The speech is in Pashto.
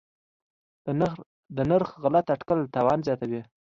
د نرخ غلط اټکل تاوان زیاتوي.